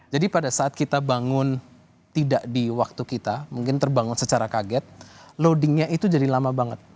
jadi pada saat kita bangun tidak di waktu kita mungkin terbangun secara kaget loadingnya itu jadi lama banget